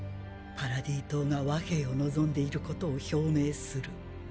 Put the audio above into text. パラディ島が和平を望んでいることを表明する。